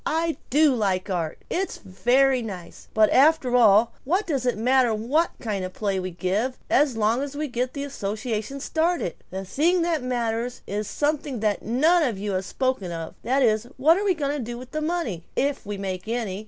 I do like art. It's very nice. But after all, what does it matter what kind of play we give as long as we get the association started? The thing that matters is something that none of you have spoken of, that is: what are we going to do with the money, if we make any?